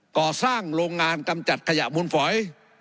ก่อสร้างโรงงานกำจัดขยะมูลฝอย